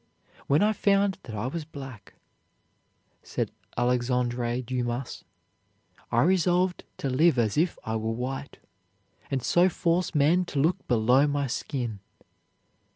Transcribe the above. "When I found that I was black," said Alexandre Dumas, "I resolved to live as if I were white, and so force men to look below my skin."